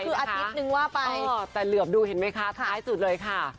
คืออาทิตย์นึงว่าไปแต่เหลือบดูเห็นไหมคะท้ายสุดเลยค่ะ